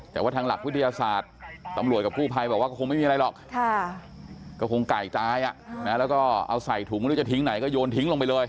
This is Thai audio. แต่ว่าทางหลักวิทยาศาสตร์ตำรวจกับกู้ภัยบอกว่าก็คงไม่มีอะไรหรอกก็คงไก่ตายแล้วก็เอาใส่ถุงไม่รู้จะทิ้งไหนก็โยนทิ้งลงไปเลย